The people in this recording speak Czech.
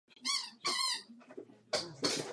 Jak ji v budoucnu kreativně využijeme?